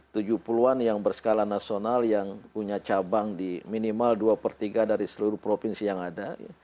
tujuh puluh an yang berskala nasional yang punya cabang di minimal dua per tiga dari seluruh provinsi yang ada